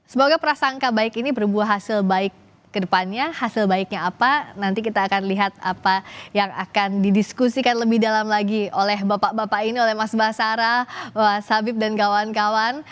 semoga prasangka baik ini berbuah hasil baik kedepannya hasil baiknya apa nanti kita akan lihat apa yang akan didiskusikan lebih dalam lagi oleh bapak bapak ini oleh mas basara mas habib dan kawan kawan